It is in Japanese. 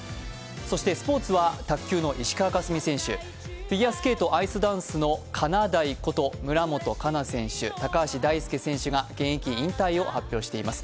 そしてスポーツは卓球の石川佳純選手、フィギュアスケート・アイスダンスのかなだいこと村元哉中選手、高橋大輔選手が現役引退を発表しています。